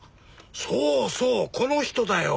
そうそうこの人だよ。